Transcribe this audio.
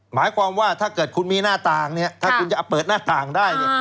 หมายความว่าถ้าเกิดคุณจะเปิดหน้าต่างได้